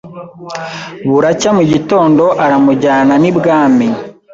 buracya mu gitondo aramujyana n’ibwami